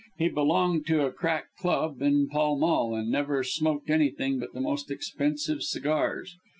He belonged to a crack club in Pall Mall, and never smoked anything but the most expensive cigars.